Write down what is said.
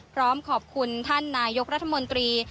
พร้อมขอบคุณท่านนายกรัฐมนตรี